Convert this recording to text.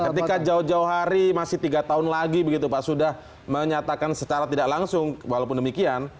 ketika jauh jauh hari masih tiga tahun lagi begitu pak sudah menyatakan secara tidak langsung walaupun demikian